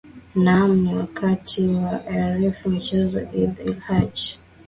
naam ni wakati wa rfi michezo idd il haj